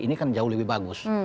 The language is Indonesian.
ini kan jauh lebih bagus